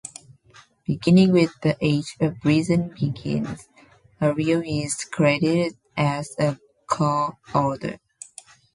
Beginning with "The Age of Reason Begins", Ariel is credited as a co-author.